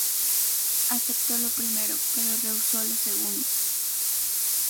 Aceptó lo primero, pero rehusó lo segundo.